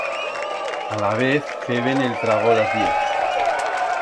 Alavez feben el trago las diez.